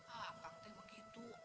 ah kang teh begitu